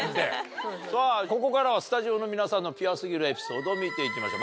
さぁここからはスタジオの皆さんのピュア過ぎるエピソードを見ていきましょう。